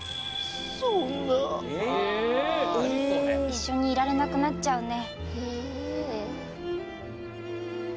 一緒にいられなくなっちゃうね。